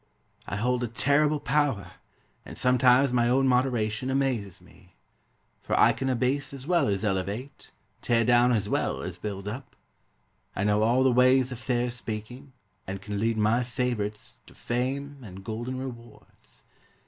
I hold a terrible power And sometimes my own moderation Amazes me, For I can abase as well as elevate, Tear down as well as build up. I know all the ways of fair speaking And can lead my favorites To fame and golden rewards.